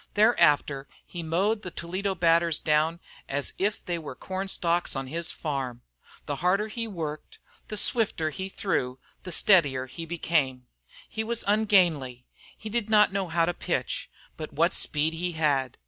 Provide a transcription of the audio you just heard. Thereafter he mowed the Toledo batters down as if they had been cornstalks on his farm. The harder he worked, the swifter he threw, the steadier he became. He was ungainly, he did not know how to pitch, but what speed he had!